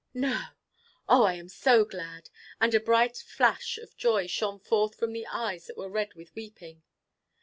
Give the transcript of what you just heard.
"No! Oh I am so glad!" and a bright flash of joy shone forth from the eyes that were red with weeping.